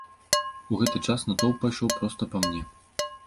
У гэты час натоўп пайшоў проста па мне.